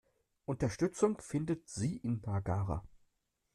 Unterstützung findet sie in Nagara.